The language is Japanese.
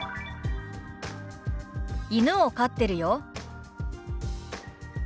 「犬を飼ってるよ」。